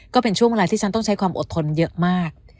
ก็เป็นช่วงเวลาที่ฉันต้องใช้ความอดทนเยอะมาก